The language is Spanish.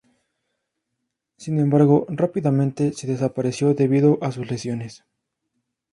Sin embargo, rápidamente se desapareció debido a sus lesiones.